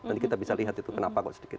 nanti kita bisa lihat itu kenapa kok sedikit